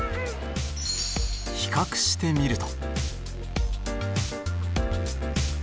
比較してみると。